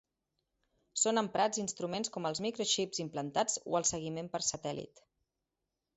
Són emprats instruments com els microxips implantats o el seguiment per satèl·lit.